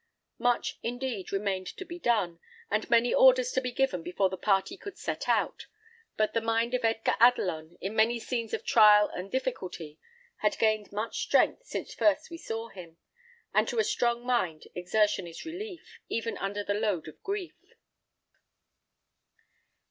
Much, indeed, remained to be done, and many orders to be given before the party could set out; but the mind of Edgar Adelon, in many scenes of trial and difficulty, had gained much strength since first we saw him; and to a strong mind exertion is relief, even under the load of grief.